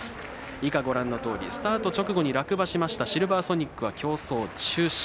以下、ご覧のとおり。スタート直後に落馬しましたシルヴァーソニックは競走中止。